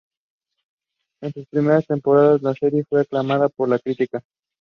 En sus primeras temporadas, la serie fue aclamada por la crítica.